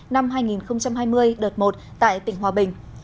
năm hai nghìn hai mươi đợt một tại tỉnh hòa bình